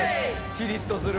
ピリッとする。